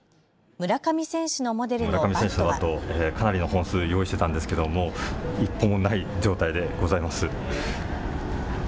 村上選手のバット、かなりの本数用意してたんですけども１本もない状態でございます。